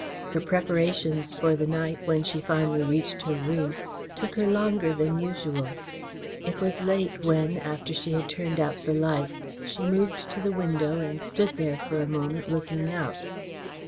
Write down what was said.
Her preparations for the night, when she finally reached her room, took her longer than usual. It was late when, after she had turned out the lights, she moved to the window and stood there for a moment looking out.